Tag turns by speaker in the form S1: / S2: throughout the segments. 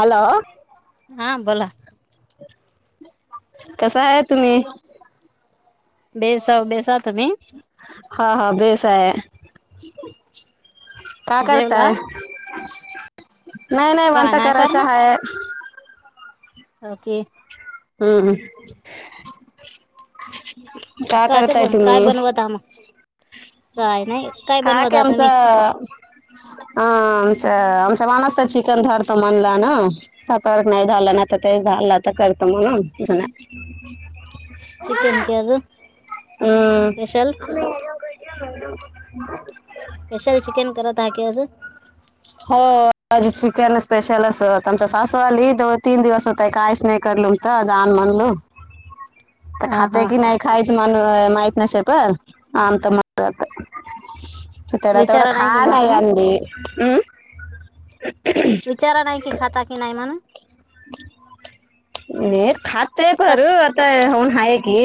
S1: Hello
S2: हा बोला
S1: कस आहे. तुम्ही
S2: बेसांव बेसांव तुम्हीं नाहीं
S1: हां हां बेस आहे कां
S2: जेवला
S1: करतांय नाहीं नाहीं
S2: का
S1: वांता
S2: नाही
S1: करांयच्यां
S2: करणार
S1: आहे
S2: ओके
S1: हम्मं हम्मं कायं
S2: काचे
S1: करतांय
S2: बन काय
S1: तुम्हीं
S2: बनवत आहा मग काय नाही काय
S1: कायं
S2: बनवत
S1: के
S2: आहा
S1: आमचं
S2: तुम्ही
S1: अं आमच्यां आमच्यां माणसं तरं चिकनं धाडतो म्हणंला नां आंत नाहीं झालं नाहींतां ते झालं आंता करतं मंग
S2: चिकनं के अजूंन
S1: हम्मं
S2: स्पेशलं चिकनं करतं आहे कां अजूंन
S1: हो आजी चिकनं स्पेशल असं आमच्यां सासू आलीं दो तीनं दिवसं होतंय कायंहीचं नाहीं करलं तरं जानं म्हनंलु तरं
S2: हा
S1: खात्यांत
S2: हा
S1: की नाहीं खां मणं माहीती नां शपंत मांत सथडं तेवढं
S2: विचारा नाही
S1: खां
S2: की मा
S1: नाहीं
S2: तुम्ही
S1: अँडे हम्मं
S2: विचारां नाहीं की खांता की नाहीं म्हणूंन
S1: मे खातं नाहीं
S2: फर्स्ट
S1: भरतं होऊंन हां ककी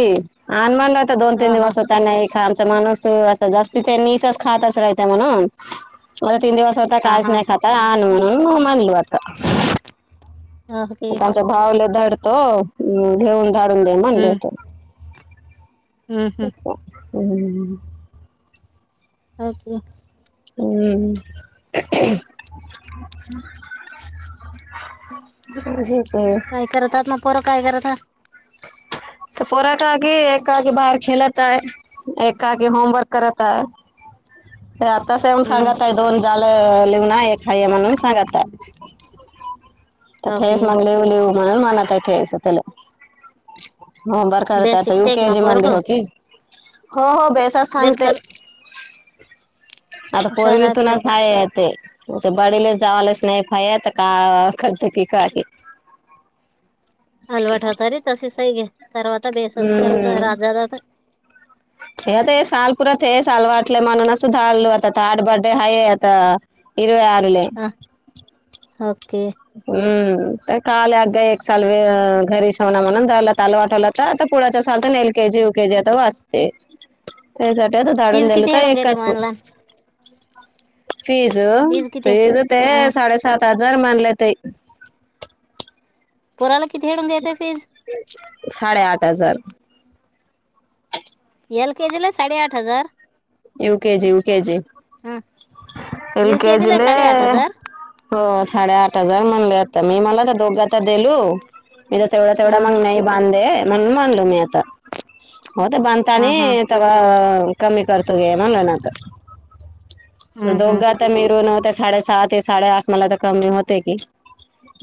S1: अनमांन होतां दोन तीनं
S2: हा हा
S1: दिवसं होतां नां आमचां माणूंस आं जास्तं संच खायचं राहतं म्हणूंन तीनं दिवसं स्वंतः
S2: हा
S1: काळचं
S2: हा
S1: नाहीं खांता आंण मानलूं
S2: ओके
S1: आंताच्या भावले धडतो घेऊंन धाडूंन दे म्हणलं
S2: हम्म
S1: होतं
S2: हम्म हम्म
S1: तसं अं
S2: ओके
S1: हम्मं म्हजेेतं
S2: काय करत आहात मग पोरं काय करत आहात
S1: तरं पोरांठा क एक खादी बाहेर खेलतं आहे एक खादी होमवर्क करतं आहे त्यांप तसं मंग
S2: हम्म
S1: सांगतय दोन जालं लिहूंन एक हांय म्हणूंन सांगत तरं खंस
S2: ओके
S1: मंग लिहून लिवू म्हणूंन म्हणतं खेसं त्यांला होमवर्क करतां बरं
S2: बेस
S1: आंता यं
S2: शिकते मग
S1: केजी
S2: पोरग
S1: मध्यें होती हो हो बे
S2: बेसकलं तरं
S1: आंता पोरगी
S2: पोरग
S1: तूनचंय आहे ते ते बडीलेच जावांलाचं नाहीं फायां तरं कां करतं की कां
S2: अलवटं होतं रे तसे सही घे तरवतां बेसस करतं
S1: हम्म
S2: राजां
S1: हे आंता हे सांल पुरांत हे सांल वाटलं म्हणूंन असलं आंता थाडं बर्डे हांय आंता इरवं आरलेले आहे
S2: अ, ओके
S1: हम्मं कांल अगं एक साल घरी शवणां म्हणूंन त्यांला तलं वाटवलां आंता पुळांच्या सांल तरं एल केजी यूं केजी आंता वाचते त्यांसाठी आंता धाडूंन
S2: फीज
S1: देल
S2: किती
S1: तरं
S2: हेडून
S1: एकदाचं
S2: घेते
S1: असतो
S2: मानला
S1: फीज फीज ते
S2: अ,
S1: साडेसात हजांर म्हनले ताई
S2: पोरांला किती रूंम देतेय ती
S1: साडे आठ हजांर
S2: एल के जीला साडेआठ हजांर
S1: यू केजी ये केजी ए
S2: यू के
S1: केजी
S2: जीला
S1: ले
S2: साडेआठ हजार
S1: हो साडे आठ हजार म्हणले आता मी मला त्या दोघता देलो. मी तर तेवढा,
S2: अ,
S1: तेवढा मग नाही. बांध [inaudible] म्हण मालो मी आता हो [inaudible] बांधता
S2: अ, हं,
S1: ते कमी करतो गे [inaudible] मग ना तर
S2: हं,
S1: दोघ
S2: हं.
S1: मिरूनवते साडे सात ते साडे आठ मला तर कमी होते की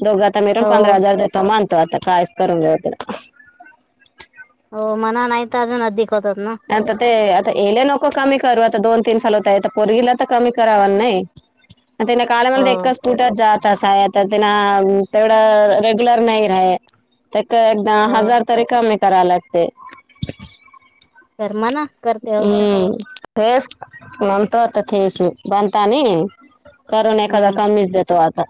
S1: दोघ ता मी
S2: हो
S1: पंधरा हजार देतो मानतो आता कायस करून देऊ.
S2: हो मणा नाही तर अजून [inaudible] अदीिक होतात ना.
S1: आता ते आता येले नको कमी करू आता दोन, तीन साल होत. पोरगीला तर कमी कराव नाही. [unintelligible] [inaudible] मता काळे
S2: हो
S1: मला एच तुटत जात असा आहेता ते ना तेवढं रेग्युलर नाही र आहे. त्या [inaudible] एकदाम
S2: हो
S1: हजार तरी कमी करा लागते.
S2: करर्मा ना.
S1: हम्म. [inaudible] फस नतो [inaudible] तेेस बनता न करून एखादा
S2: हं,
S1: कमीच देतो आता.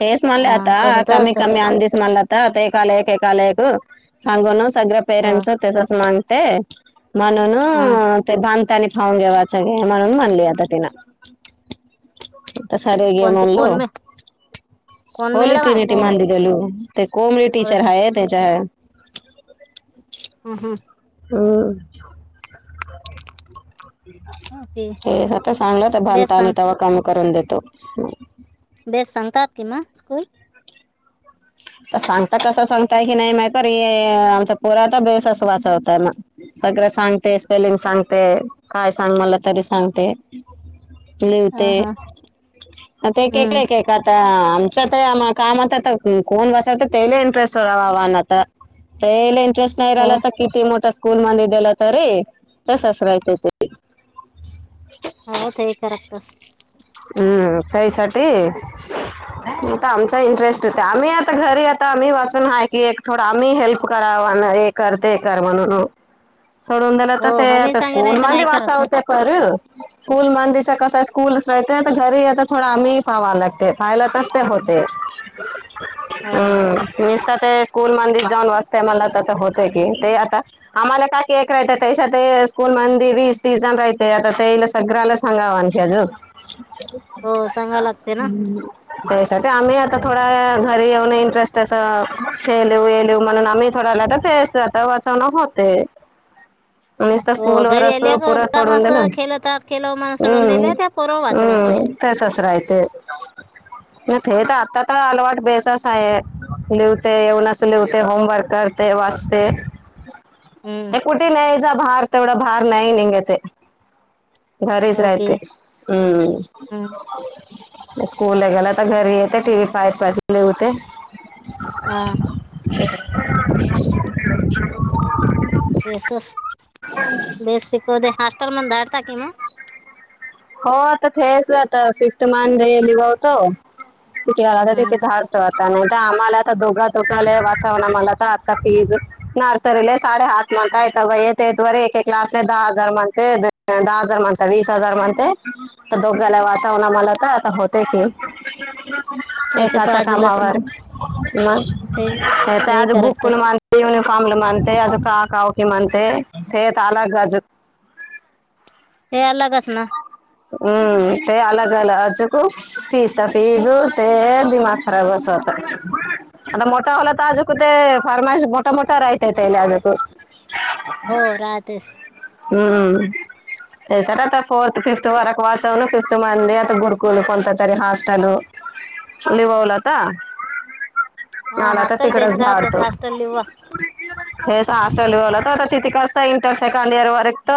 S1: तेच [inaudible] मारले
S2: अ,
S1: आता
S2: तसं तर
S1: कमी,
S2: होतं.
S1: कमी [inaudible] अंदीस मला ता एकालेयक, एकालेयक संगुण सग्र
S2: अ,
S1: पेरेंटस तेसस म्हणते. [inaudible] म्हण ना
S2: हा.
S1: ते भांतनी खाऊून घेवाचं [inaudible] म्हणून म्हणली आता तिन. सरी ग
S2: कोणती
S1: म्हणल
S2: कोण मे कोण
S1: होळी
S2: मॅडम आहे
S1: टिनिटी
S2: को
S1: मंद. गलू ते कोम रे टीचर
S2: ओरडे.
S1: हाय य च.
S2: हम हं.
S1: [unintelligible] [inaudible] हम्
S2: ओके
S1: ते आता चांगलं तर
S2: बेस
S1: भलता आणि
S2: सांग
S1: तव काम करून देतो.
S2: बेस [inaudible] सांताात कीमा [inaudible] स्स्कूल
S1: सांगता तसं सांगताय की नाही माहत आमचा पुरता बेवसास वाचवतय ना. सगळं सांगते. स्पेलिंग सांगते. काय सांग मला तरी सांगते. लिव
S2: अ,
S1: ते
S2: हं.
S1: ते [inaudible] केकले
S2: हं.
S1: [inaudible] आमच्या तर आ कामात. कोण बचव तेले इंटरेस्ट [inaudible] नात तेलाले इंटरेस्ट [inaudible]
S2: हो
S1: नाहीहिला तर किती मोठा स्कूल मध्ये दिलं तरी त ससरा येतेत.
S2: हो ते करराक्टस
S1: हम्म, त्यायसाठीता आमचा इंटरेस्ट होते. आम्ही आ आता घरी आता आम्ही वाचून आहे. की एक थोडं आम्ही हेल्प करा करते कर म्हणून. सोडून दला
S2: हो
S1: तर
S2: आम्ही
S1: ते
S2: सांगे नाही
S1: स्कूल
S2: तर
S1: मध
S2: नाही
S1: वाचा
S2: करत ना
S1: होते. [inaudible] ख स्कूल मंदिच्या कस स्कूलच राहतय तर घरी यता थोडं आम्ही पाहावा लागतो. ते पायला कसते होते.
S2: हा.
S1: मीस तर ते स्कूल मंद जाऊन वासते मला तर ते होते की ते आता आम्हाला का एक राहतं त्याच्या स्कूल मंदी वीस, तीस जण राहते. आता त्याला सगळ्याला हांगावा न क आजू.
S2: हो सांगा लागते ना
S1: त्यासाठी आम्ही आता थोडा घरी येऊन इंटरेस्ट तसं खेळलू येलू म्हणून, आम्ही थोडा लाटत. [inaudible] आता वाचवण होते. नुसत
S2: हो
S1: स्कूल
S2: घरी
S1: वरच
S2: आले का
S1: पुरं
S2: काम
S1: सोडून दिलं
S2: असं खेलतात खेल मन सडवून
S1: हम्म
S2: दिले त्या पोरव वाचवत नाही.
S1: हम्म तसच राहते [inaudible] ते [inaudible] तर आता तर अलवाट बेसस आहे. लिवते, येवून असं लिवते, होमवर्क करते, वाचते.
S2: हम्म
S1: ते कुठे न्यायचा बाह, र तेवढा बाहर नाही निगंते. घरीच
S2: ओके
S1: राहते, हम्म.
S2: हम्म
S1: ते स्कूल ला गेला, तर घरी येते टीव्ही पाहित बसले होते.
S2: हा. पेसस.
S1: [inaudible]
S2: [unintelligible]
S1: [unintelligible] तसं नव्हतं
S2: हम्म
S1: आम्हाला आता दोघात -दोघाले वाचाव आम्हाला तर आता फीज, नर्सरीला साडे आठ. म्हणता एका वये ते द्वारे, एके क्लासला दहा हजार म्हणते दहा हजार म्हणता वीस हजार म्हण. काय? आता दोघाला वाचवणं, मला तर आता होते की.
S2: पैसे
S1: एकाच्या
S2: पाजूलस मग
S1: कामावर, मंग
S2: ते
S1: नायतर
S2: हे
S1: आज भूकून
S2: करक्टस
S1: माग युनिफॉर्मला मानते, आज का काव की मानते, थेट आला गाजत.
S2: ते अलगच ना.
S1: हम्म, ते अलग आलं अचकू. फीसता, फीज ते दिमाग खराब बस होता. आता मोठा होलात अजकुते, फर्माईश मोठा- मोठा राहिते त्याला अजूक.
S2: हो राहतेस.
S1: हम्म तेच आता फोर्थ,
S2: आप-
S1: फिफ्थ वरक वाच सेवन फिफ्त मंथ हे, आता गुरुकुल कोणतातरी हॉस्टेल. लिवावलाता.
S2: हा
S1: आला तर
S2: हॉस्टेल
S1: तिकडच
S2: बेस राहतात
S1: धाडतो.
S2: हॉस्टेल लिव्हा
S1: हेच हॉस्टेल बोलत त आता तिथे कसं येईल तसं सेकंड इयर वरकत.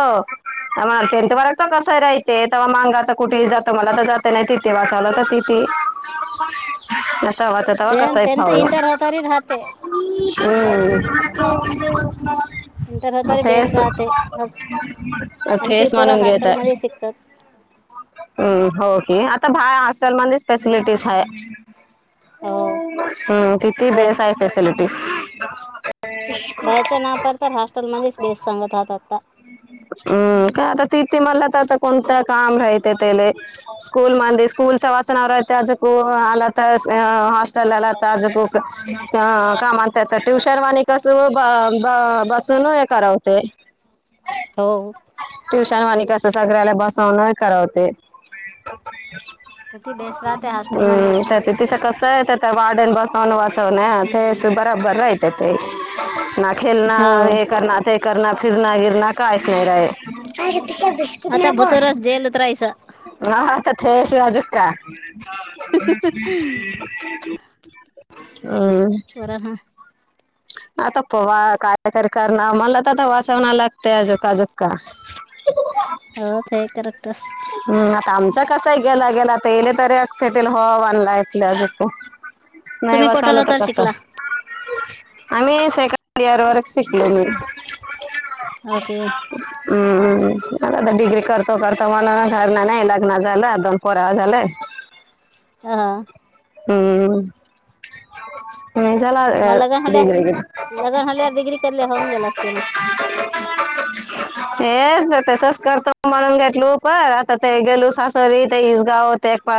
S1: आमा, टेन्थ वाराच कसय राहिते तेव्हा मांगा आता कुठेही जातो मला तर जात नाही तिथे वाचावलं तर तिथी.
S2: ते त्यांचं इंटर होतारी राहते
S1: [unintelligible] [unintelligible]
S2: नंतर राहताना बेस राहते. हस-
S1: अ,
S2: आमची
S1: फेस
S2: पोरं
S1: म्हणून घेत.
S2: हॉस्टेलमध्ये शिकतात
S1: हम्म, हो कि आता भार हॉस्टेल मध्येच तसली फॅसिलिटीज हाय.
S2: हो
S1: हम्म, तिथी
S2: हे
S1: बेस हाय फॅसिलिटीज.
S2: बाहेरच्यांना तर हॉस्टेलमध्येच बेस सांगत राहत आता.
S1: हम्म, काय आता तिथती मला तर कोणतं काम राहते त्येले. स्कूल मंदी स्कूल तवाच नावं रहते अजकू आलात हॉस्टेल आलात आजकू. अ कामांत तर ट्युशनवाणी कस ब, ब बसून हे करवते.
S2: हो.
S1: ट्युशनवाली कसं सगळ्याला बसवून करवते.
S2: [inaudible] हॉस्टेलमध्ये
S1: हम्म, त्या तीच कस हाय, त्या वाडन बसवून बसवून हा ते बराबर राइट. ना खेळणार,
S2: हो
S1: हे करणार. ते करना, फिरना, गिरना काहीच नाही राही.
S2: आता भु त्रास झेलत राहायचं.
S1: [inaudible] [unintelligible]
S2: बरं हा
S1: आता पोवा, काय तरी करणं. मला तर आता वाचवण लागत अजोकाजुका. [inaudible]
S2: हो काय करतस?
S1: हम्म आता आमचा कसा गेला गेला तर इल तरी [inaudible] नाही
S2: तुम्ही
S1: बसवलं
S2: कोटर
S1: तर कसं.
S2: शिकला
S1: आम्ही सेकंड इयर वर शिकले मी.
S2: ओके.
S1: हम्म, मता डिग्री करता- करता मला घरणा नाही, लग्न झालं, दोन परावा झालंय.
S2: हा हा...
S1: हम्म.... मशला
S2: मग लग्न झाल्या
S1: दर ग [inaudible]
S2: लग्न झाल्यावर डिग्री करले होऊन गेलं असते ना
S1: ह [inaudible] हे तसच करतो म्हणून घेतल प आता ते गेलू सासरी ते इसगाव ते एक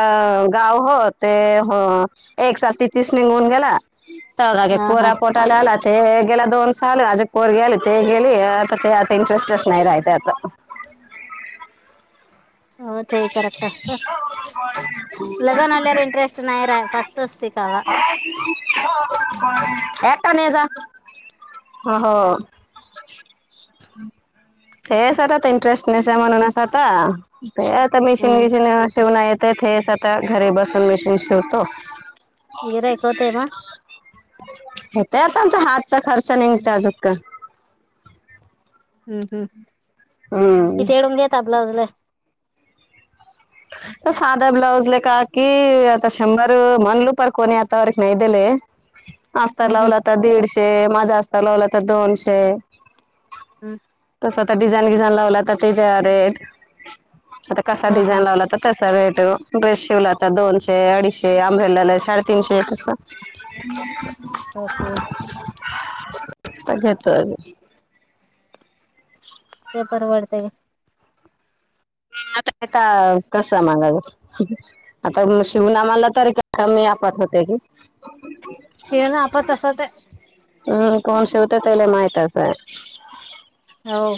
S1: गाव हो ते हो एक सात ति तीस निघून गेला तर घागे
S2: हा हा
S1: पोरापो ट आला ते गेला दोन साल, आजुक पोरगी ते गेली. आता ते आता इंटरेस्टच नाही राहले आता.
S2: हो ते करेक्ट असतं लग्न
S1: हम्
S2: झाल्यावर
S1: [inaudible] [inaudible]
S2: इंटरेस्ट नाही फस्ट असच [unintelligible] सीकवा
S1: एता नाही जा [inaudible] हो हो [inaudible] हे सर्वात इंटरेस्टनेस म्हणून असं होता. ते आता मशीन-
S2: हम्म
S1: विशीन शिवण येतय, हेच आता घरी बसून मशीन शिवतो.
S2: गिरायक
S1: बाकीसे
S2: होते
S1: [inaudible]
S2: मग
S1: होतय आता आमच्या हातचा खर्च निगत अजूक
S2: हम्म हम्म,
S1: हम्म
S2: किथे वेळ देता ब्लाउज ला?
S1: साध ब्लौज लेक हाकी, आता शंबर मणल पर्कणी आता वरक नैदेले अस्तर
S2: हम्म हम्म
S1: लावला तर दीडशे, माझा अस्तर लावला तर दोनशे.
S2: हम्.
S1: स्वतः डिझाईन बिझीन लावतात त्याचे रेट, आता कसा
S2: हा हा
S1: डिझाईन त रेट ड्रेस शिवलाता दोनशे, अडीचशे, अम्ब्रेला साडेतीनशे तस ह् [inaudible]
S2: ओके.
S1: अगेतो आहेजे [inaudible]
S2: पेपर वडतय.
S1: आता [unintelligible] आता कस मागाव आता शिवना माला तर मी आपत होते की
S2: शेळ ना आप तसात
S1: हम्म, कोण शिवता तला माहित असन.
S2: हो.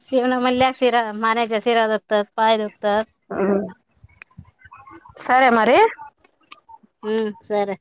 S2: शिवण मल्या शिरा माण्या्च्या शिरा दुखतात, पाय दुखतात.
S1: हम्, सरे मारे
S2: हम्म, सर